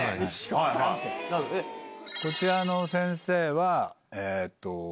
こちらの先生はえっと